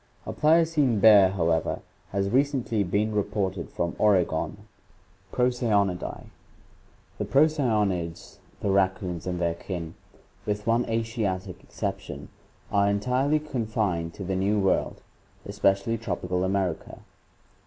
A Pliocene bear, however, has recently been reported from Oregon (Merriam). Procyonidae. — The procyonids, the raccoons and their kin, with one Asiatic exception are entirely confined to the New World, especially tropical America.